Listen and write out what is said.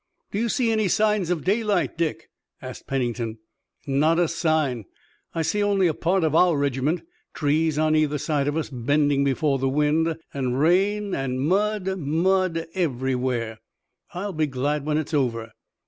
"Do you see any signs of daylight, Dick?" asked Pennington. "Not a sign. I see only a part of our regiment, trees on either side of us bending before the wind, and rain, and mud, mud everywhere. I'll be glad when it's over."